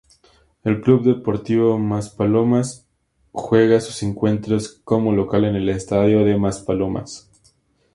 El Club Deportivo Maspalomas juega sus encuentros como local en el Estadio de Maspalomas.